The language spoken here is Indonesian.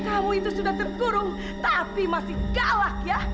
kamu itu sudah terkurung tapi masih galak ya